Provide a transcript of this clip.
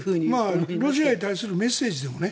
ロシアに対するメッセージだよね。